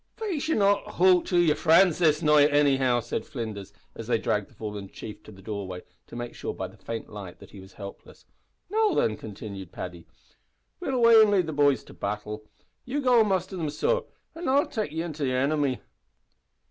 "Faix, ye'll not `hoot' to yer frinds this night, anyhow," said Flinders, as they dragged the fallen chief to the doorway, to make sure, by the faint light, that he was helpless. "Now, thin," continued Paddy, "we'll away an' lead the boys to battle. You go an' muster them, sor, an' I'll take ye to the inimy."